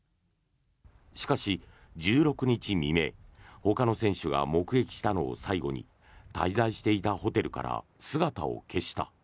しかし、１６日未明ほかの選手が目撃したのを最後に滞在していたホテルから姿を消した。